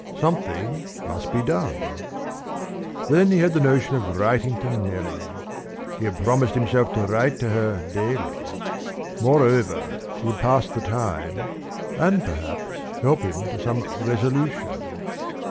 Something must be done. Then he had the notion of writing to Nellie; he had promised himself to write to her daily; moreover, it would pass the time and perhaps help him to some resolution.